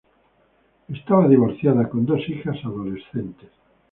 Estaba divorciada, con dos hijas adolescentes.